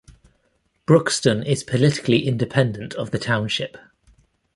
Brookston is politically independent of the township.